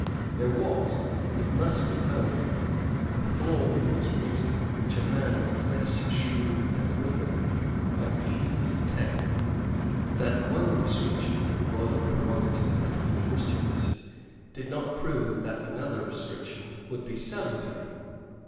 There was, it must be owned, a flaw in this reasoning which a man less shrewd than William might easily detect. That one restriction of the royal prerogative had been mischievous did not prove that another restriction would be salutary.